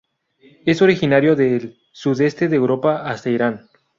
Es originario del sudeste de Europa hasta Irán.